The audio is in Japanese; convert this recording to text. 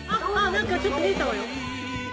何かちょっと見えたわよ。